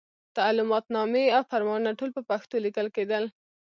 تعلماتنامې او فرمانونه ټول په پښتو لیکل کېدل.